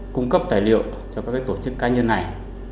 cung cấp tài liệu cho các tổ chức cá nhân này